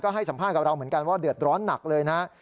ให้สัมภาษณ์กับเราเหมือนกันว่าเดือดร้อนหนักเลยนะครับ